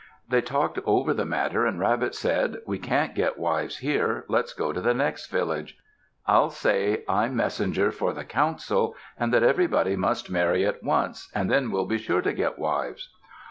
They talked over the matter and Rabbit said, "We can't get wives here. Let's go to the next village. I'll say I'm messenger for the council and that everybody must marry at once, and then we'll be sure to get wives."